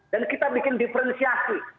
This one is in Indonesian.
dan kita bikin diferensiasi